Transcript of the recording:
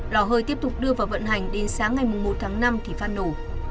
lò hơi tiếp tục đưa vào vận hành đến sáng ngày một tháng năm thì phát nổ